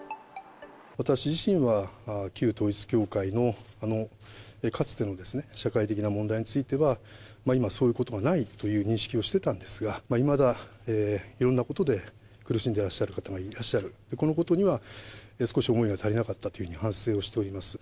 私自身は旧統一教会のかつての社会的な問題については、今、そういうことがないという認識をしてたんですが、いまだいろんなことで苦しんでらっしゃる方がいらっしゃる、このことには少し思いが足りなかったというふうに反省をしております。